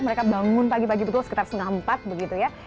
mereka bangun pagi pagi betul sekitar setengah empat begitu ya